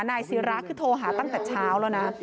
นายศิราคือโทรหาตั้งแต่เช้าแล้วนะ